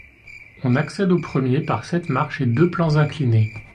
On accède au premier par sept marches et deux plans inclinés.